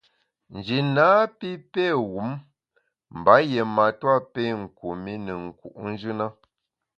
Nji napi pé wum mba yié matua pé kum i ne nku’njù na.